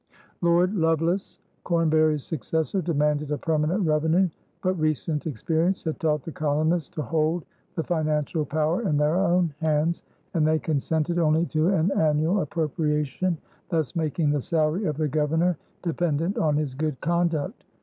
Lord Lovelace, Cornbury's successor, demanded a permanent revenue. But recent experience had taught the colonists to hold the financial power in their own hands and they consented only to an annual appropriation, thus making the salary of the Governor dependent on his good conduct.